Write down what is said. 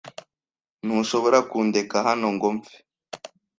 Ntushobora kundeka hano ngo mpfe.